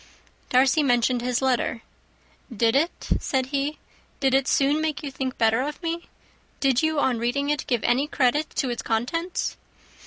Darcy mentioned his letter. "Did it," said he, "did it soon make you think better of me? Did you, on reading it, give any credit to its contents?"